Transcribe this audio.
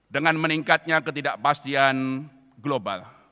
dengan meningkatnya ketidakpastian global